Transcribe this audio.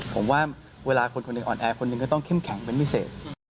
ผมว่าเวลาคนคนหนึ่งอ่อนแอคนหนึ่งก็ต้องเข้มแข็งเป็นพิเศษ